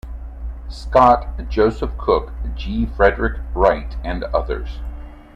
Scott, Joseph Cook, G. Frederick Wright, and others.